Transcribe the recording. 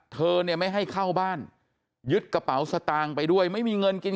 เธอเนี่ยไม่ให้เข้าบ้านยึดกระเป๋าสตางค์ไปด้วยไม่มีเงินกิน